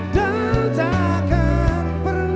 dan tak akan pernah